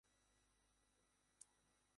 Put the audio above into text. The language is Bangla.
মারো, কিজি।